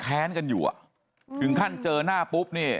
แค้นกันอยู่อ่ะถึงขั้นเจอหน้าปุ๊บเนี่ย